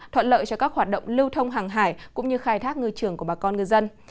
thuận lợi cho các hoạt động lưu thông hàng hải cũng như khai thác ngư trường của bà con ngư dân